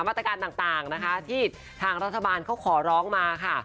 มาตรการต่างนะคะที่ทางรัฐบาลเขาขอร้องมาค่ะ